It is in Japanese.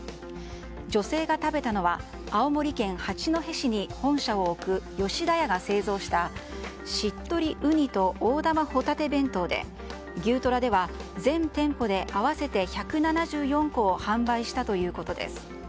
女性が食べたのは青森県八戸市に本社を置く吉田屋が製造したしっとりうにと大玉ほたて弁当でぎゅーとらでは全店舗で合わせて１７４個を販売したということです。